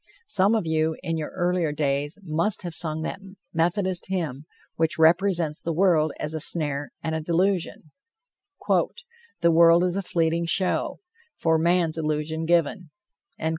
Some of you in your earlier days must have sung that Methodist hymn which represents the world as a snare and a delusion: "The world is a fleeting show For man's illusion given."